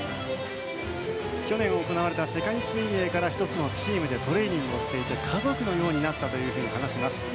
去年行われた世界水泳から１つのチームでトレーニングをしていて家族のようになったと話します。